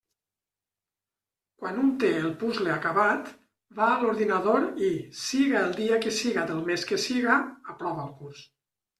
Quan un té el puzle acabat, va a l'ordinador i, siga el dia que siga del mes que siga, aprova el curs.